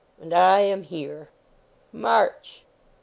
And I am here! "March!"